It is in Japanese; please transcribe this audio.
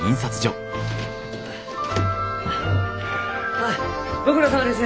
あっご苦労さまです。